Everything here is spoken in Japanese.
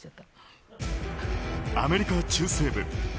アメリカ中西部。